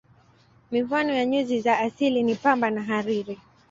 Mifano ya nyuzi za asili ni pamba na hariri.